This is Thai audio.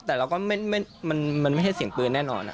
แต่เราก็มันไม่ใช่เสียงปืนแน่นอน